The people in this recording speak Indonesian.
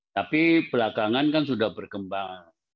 tapi belakangan kan sudah berkembang